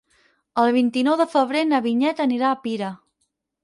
El vint-i-nou de febrer na Vinyet anirà a Pira.